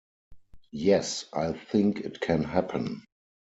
Yes, I think it can happen.